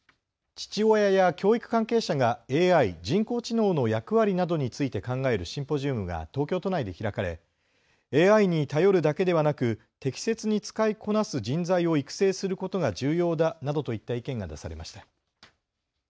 父親や教育関係者がＡＩ・人工知能の役割などについて考えるシンポジウムが東京都内で開かれＡＩに頼るだけではなく適切に使いこなす人材を育成することが重要だなどといった意見が出されました。